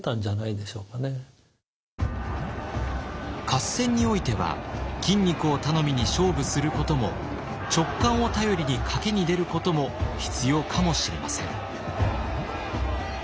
合戦においては筋肉を頼みに勝負することも直感を頼りに賭けに出ることも必要かもしれません。